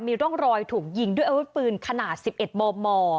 มีร่องรอยถูกยิงด้วยอาวุธปืนขนาด๑๑มม